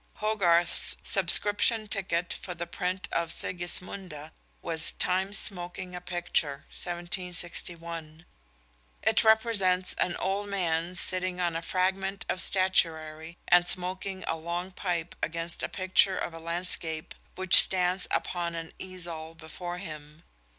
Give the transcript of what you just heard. Hogarth's subscription ticket for the print of Sigismunda was Time Smoking a Picture (1761). It represents an old man sitting on a fragment of statuary and smoking a long pipe against a picture of a landscape which stands upon an easel before him.